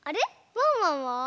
ワンワンは？